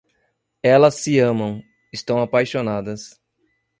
Elas se amam. Estão apaixonadas.